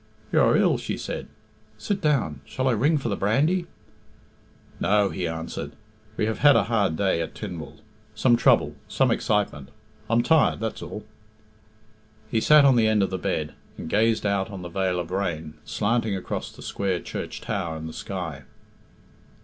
"You are ill," she said. "Sit down. Shall I ring for the brandy?" "No," he answered. "We have had a hard day at Tyn wald some trouble some excitement I'm tired, that's all." He sat on the end of the bed, and gazed out on the veil of rain, slanting across the square church tower and the sky.